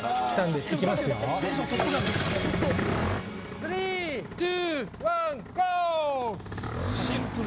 ３、２、１、ゴ！